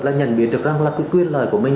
là nhận biến được rằng là quyền lời của mình